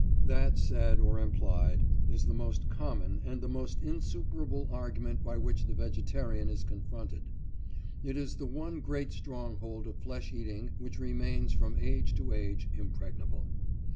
That, said or implied, is the most common and the most insuperable argument by which the vegetarian is confronted. It is the one great stronghold of flesh eating which remains from age to age impregnable.